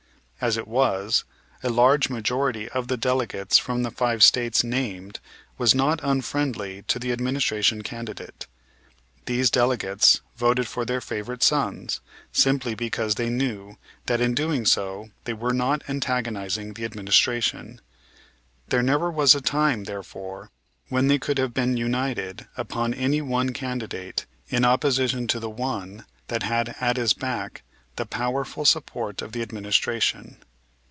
As it was, a large majority of the delegates from the five States named was not unfriendly to the Administration candidate. These delegates voted for their "favorite sons" simply because they knew that in doing so they were not antagonizing the administration. There never was a time, therefore, when they could have been united upon any one candidate in opposition to the one that had at his back the powerful support of the Administration.